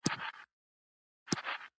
هغوی یوځای د پاک لمر له لارې سفر پیل کړ.